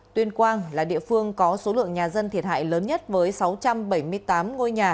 tuyên quang là địa phương có số lượng nhà dân thiệt hại lớn nhất với sáu trăm bảy mươi tám ngôi nhà